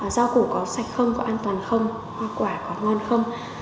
rau củ có sạch không có an toàn không hoa quả có ngon không